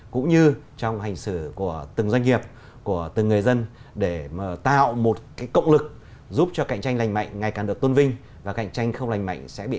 cũng như trong hành xử của từng doanh nghiệp của từng người dân để tạo một cộng lực giúp cho cạnh tranh lành mạnh ngày càng được tôn vệ